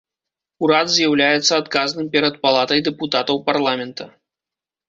Урад з'яўляецца адказным перад палатай дэпутатаў парламента.